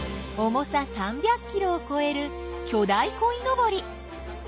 重さ３００キロをこえる巨大こいのぼり。